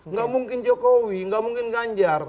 nggak mungkin jokowi nggak mungkin ganjar